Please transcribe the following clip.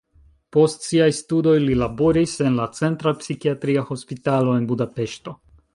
Post siaj studoj li laboris en la centra psikiatria hospitalo en Budapeŝto.